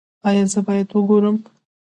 ایا زه باید وګورم؟